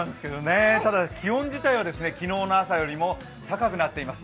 ただ気温自体は昨日の朝よりも高くなっています。